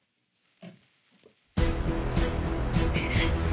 えっ？